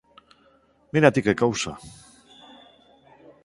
Mira ti que cousa!